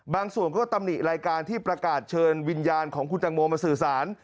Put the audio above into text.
บางส่วนก็ตำหนิรายการที่ประกาศเชิญวิญญาณของคุณตังโมมาสื่อสาร